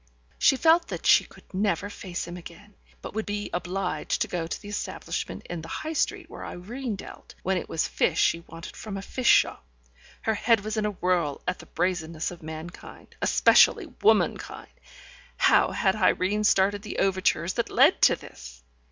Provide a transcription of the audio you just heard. She felt that she could never face him again, but would be obliged to go to the establishment in the High Street where Irene dealt, when it was fish she wanted from a fish shop. ... Her head was in a whirl at the brazenness of mankind, especially womankind. How had Irene started the overtures that led to this?